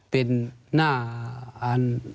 เป็นหน้า